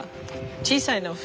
小さいの船。